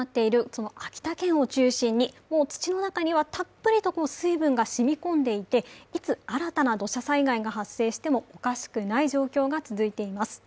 その秋田県を中心にもう土の中にはたっぷりと水分が染み込んでいて、いつ新たな土砂災害が発生してもおかしくない状況が続いています。